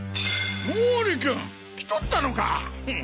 毛利君来とったのか！